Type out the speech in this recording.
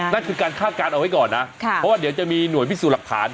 นั่นคือการคาดการณ์เอาไว้ก่อนนะเพราะว่าเดี๋ยวจะมีหน่วยพิสูจน์หลักฐาน